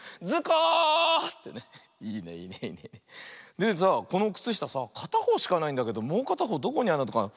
でさあこのくつしたさあかたほうしかないんだけどもうかたほうどこにあるのかな。